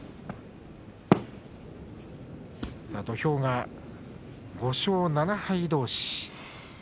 土俵が５勝７敗どうし。